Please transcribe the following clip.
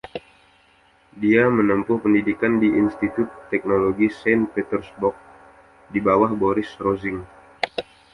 Dia menempuh pendidikan di Institut Teknologi Saint Petersburg, di bawah Boris Rosing.